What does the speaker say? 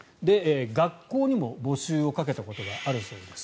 学校にも募集をかけたことがあるそうです。